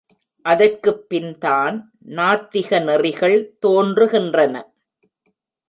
அதற்குப் பின்தான் நாத்திக நெறிகள் தோன்றுகின்றன.